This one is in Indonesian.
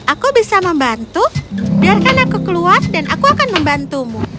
aku bisa membantu biarkan aku keluar dan aku akan membantumu